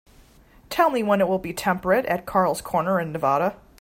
Tell me when it will be temperate at Carl's Corner, in Nevada